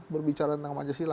berbicara tentang pancasila